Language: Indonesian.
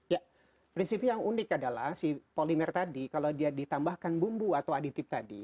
ya prinsipnya yang unik adalah si polimer tadi kalau dia ditambahkan bumbu atau aditip tadi